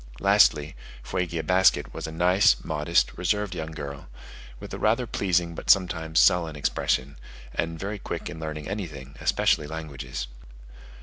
Lastly, Fuegia Basket was a nice, modest, reserved young girl, with a rather pleasing but sometimes sullen expression, and very quick in learning anything, especially languages.